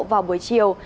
vào buổi chiều